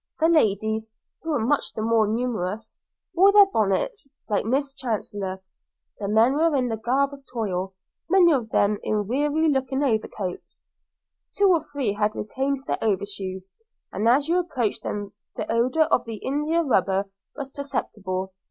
The ladies, who were much the more numerous, wore their bonnets, like Miss Chancellor; the men were in the garb of toil, many of them in weary looking overcoats. Two or three had retained their overshoes, and as you approached them the odour of the india rubber was perceptible.